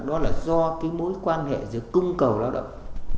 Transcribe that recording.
đó là do cái mối quan hệ giữa cung cầu lao động